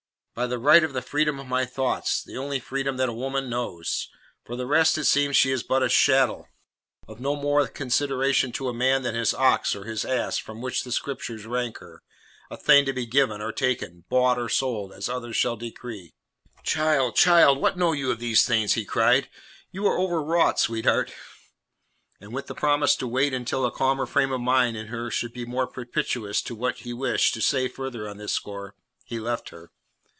"By the right of the freedom of my thoughts the only freedom that a woman knows. For the rest it seems she is but a chattel; of no more consideration to a man than his ox or his ass with which the Scriptures rank her a thing to be given or taken, bought or sold, as others shall decree." "Child, child, what know you of these things?" he cried. "You are overwrought, sweetheart." And with the promise to wait until a calmer frame of mind in her should be more propitious to what he wished to say further on this score, he left her.